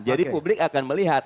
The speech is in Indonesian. jadi publik akan melihat